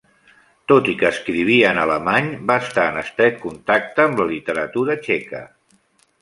Tot i que escrivia en alemany, va estar en estret contacte amb la literatura txeca.